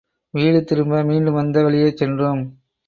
வீடு திரும்ப, மீண்டும் வந்த வழியே சென்றோம்.